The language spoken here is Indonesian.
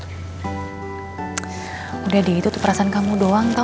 udah deh itu tuh perasaan kamu doang tau